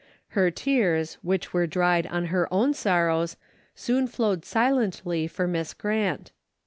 Her tears, which were dried on her own sorrows soon flowed silently for Miss Grant.